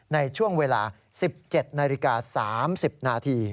ในช่วงเวลา๑๗นาฬิกา๓๐นาที